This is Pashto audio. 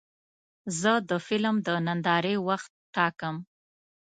زه د فلم د نندارې وخت ټاکم.